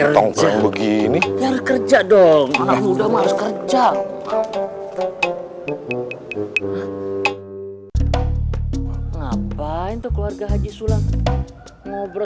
kerja begini kerja dong udah mau kerja ngapain tuh keluarga haji sulam ngobrol